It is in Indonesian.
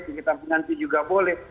kegiatan finansi juga boleh